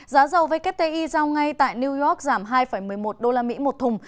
giá dầu wti giao ngay tại new york giảm hai một mươi một usd một thùng